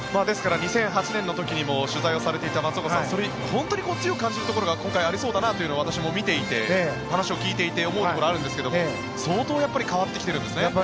ですから２００８年の時にも取材をされていた松岡さんは本当に強く感じるところが今回、ありそうだなと私も見ていて話を聞いていて思うところがあるんですが相当変わってきているんですね。